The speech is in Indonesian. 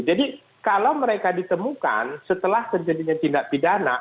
jadi kalau mereka ditemukan setelah terjadinya tindak pidana